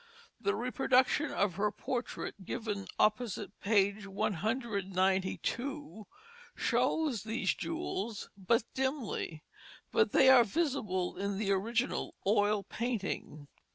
The reproduction of her portrait, given opposite page 192, shows these jewels but dimly, but they are visible in the original oil painting.